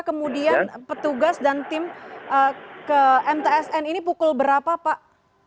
kemudian petugas dan tim ke mtsn ini pukul berapa pak